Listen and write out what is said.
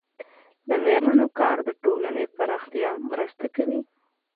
د میرمنو کار د ټولنې پراختیا مرسته کوي.